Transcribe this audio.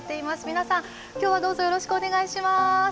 皆さん今日はどうぞよろしくお願いします。